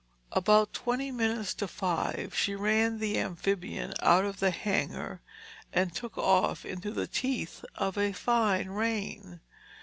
About twenty minutes to five she ran the amphibian out of the hangar and took off into the teeth of a fine rain.